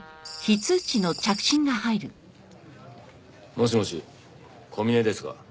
もしもし小峰ですが。